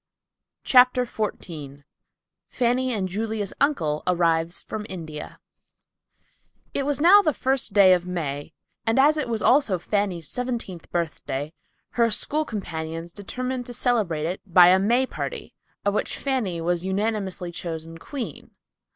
CHAPTER XIV FANNY AND JULIA'S UNCLE ARRIVES FROM INDIA It was now the first day of May, and as it was also Fanny's seventeenth birthday, her school companions determined to celebrate it by a May party, of which Fanny was unanimously chosen queen.